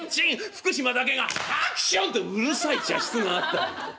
福島だけが「ハクション！」とうるさい茶室があったもんで。